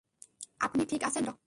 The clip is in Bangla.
আপনি ঠিক আছেন ডক্টর?